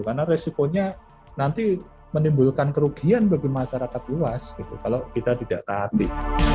karena resiponya nanti menimbulkan kerugian bagi masyarakat luas gitu kalau kita tidak tahanin